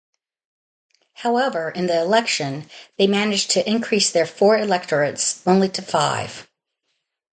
However, in the election, they managed to increase their four electorates only to five.